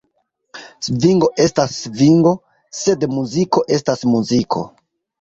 Svingo estas svingo, sed muziko estas muziko!